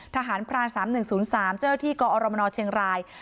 ทหารพราณสามหนึ่งศูนย์สามเจ้าแรกที่กอรมนเชียงราย